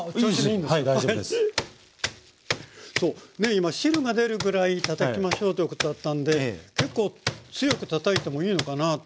今汁が出るぐらいにたたきましょうということだったんで結構強くたたいてもいいのかなあと。